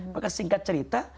maka singkat cerita